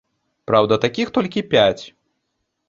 Праўда, такіх толькі пяць.